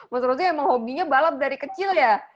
mas rozi emang hobinya balap dari kecil ya